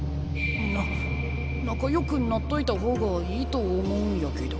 な仲よくなっといた方がいいと思うんやけど。